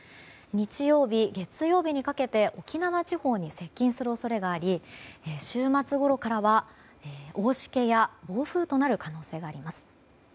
日曜日、月曜日にかけて沖縄地方に接近する恐れがあり週末ごろからは、大しけや暴風雨となる可能性があります。